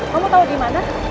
kamu tahu di mana